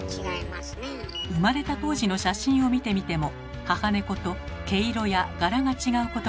生まれた当時の写真を見てみても母猫と毛色や柄が違うことは一目瞭然。